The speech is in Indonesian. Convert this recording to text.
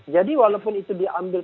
jadi walaupun itu diambil